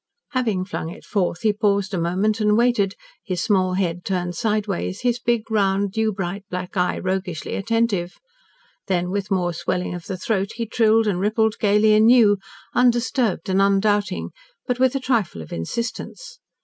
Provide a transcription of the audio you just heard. Having flung it forth, he paused a moment and waited, his small head turned sideways, his big, round, dew bright black eye roguishly attentive. Then with more swelling of the throat he trilled and rippled gayly anew, undisturbed and undoubting, but with a trifle of insistence.